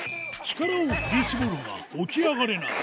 力を振り絞るが、起き上がれない。